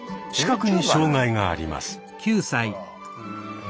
視覚に障害があります。